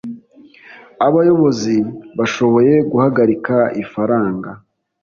abayobozi bashoboye guhagarika ifaranga